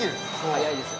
◆速いですよ。